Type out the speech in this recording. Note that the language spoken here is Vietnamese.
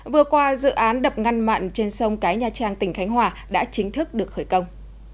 vừa qua dự án đập ngăn mặn trên sông cái nha trang tỉnh khánh hòa đã chính thức được khởi công